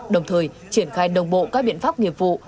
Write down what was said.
đồng thời triển khai đồng bộ các biện pháp nghiệp vụ